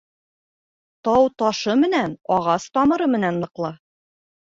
Тау ташы менән, ағас тамыры менән ныҡлы.